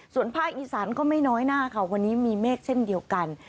ส่วนภาคอีสานก็ไม่น้อยหน้าค่ะวันนี้มีเมฆเช่นเดียวกัน